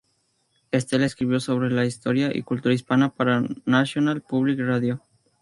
Estela escribió sobre la historia y cultura Hispana para National Public Radio.